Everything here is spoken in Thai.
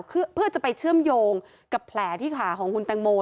เพื่อจะไปเชื่อมโยงกับแผลที่ขาของคุณแตงโม